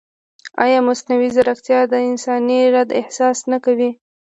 ایا مصنوعي ځیرکتیا د انساني درد احساس نه کوي؟